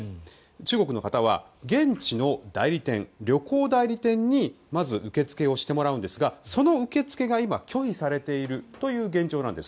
中国の方は現地の代理店旅行代理店にまず受け付けをしてもらうんですがその受け付けが今、拒否されているという現状なんです。